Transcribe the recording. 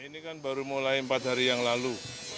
ini kan baru mulai empat hari yang lalu